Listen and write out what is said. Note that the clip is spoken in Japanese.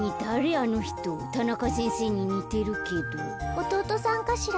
おとうとさんかしら。